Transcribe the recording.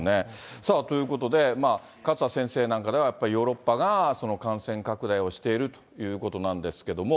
さあ、ということで、勝田先生なんかでは、やっぱりヨーロッパが感染拡大をしているということなんですけども。